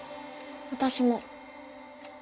私も。